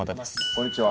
こんにちは。